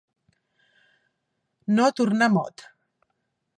No tornar mot.